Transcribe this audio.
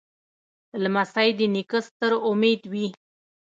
لمسی د نیکه ستر امید وي.